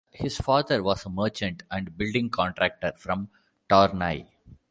His father was a merchant and building contractor from Tournai.